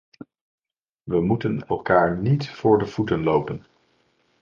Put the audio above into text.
We moeten elkaar niet voor de voeten lopen.